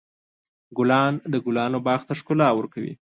ګلان د ګلانو باغ ته ښکلا ورکوي.